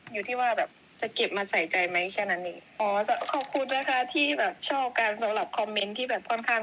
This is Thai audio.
อยู่ที่ว่าแบบจะเก็บมาใส่ใจไหมแค่นั้นเองอ๋อขอบคุณนะคะที่แบบชอบกันสำหรับคอมเมนต์ที่แบบค่อนข้าง